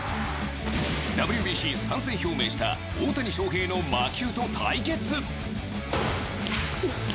ＷＢＣ参戦表明した大谷翔平の魔球と対決。